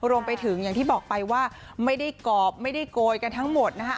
อย่างที่บอกไปว่าไม่ได้กรอบไม่ได้โกยกันทั้งหมดนะคะ